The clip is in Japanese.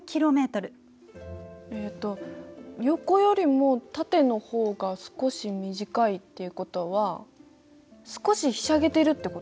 えっと横よりも縦の方が少し短いっていうことは少しひしゃげてるってこと？